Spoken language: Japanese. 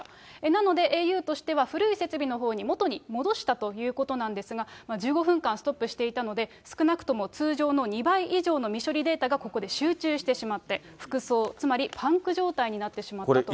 なので、ａｕとしては古い設備のほうに元に戻したということなんです、１５分間ストップしていたので、少なくとも通常の２倍以上の未処理データが、ここで集中してしまって、ふくそう、つまりパンク状態になってしまったと。